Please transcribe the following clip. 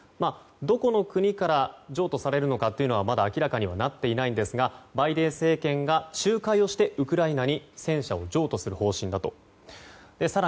どこの国から譲渡されるのかというのはまだ明らかにはなっていないんですがバイデン政権が仲介をしてウクライナに戦車を譲渡する方針だと。